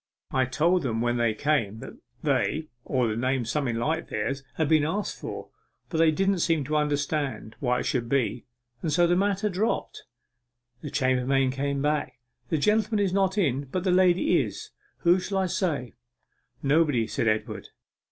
I told them when they came that they, or a name something like theirs, had been asked for, but they didn't seem to understand why it should be, and so the matter dropped.' The chambermaid came back. 'The gentleman is not in, but the lady is. Who shall I say?' 'Nobody,' said Edward.